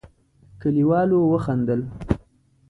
کليوالو وخندل.